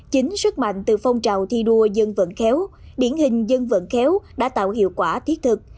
chính sức mạnh từ phong trào thi đua dân vận khéo điển hình dân vận khéo đã tạo hiệu quả thiết thực